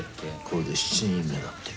これで７人目だって。